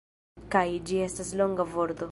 Kaj... ĝi estas longa vorto.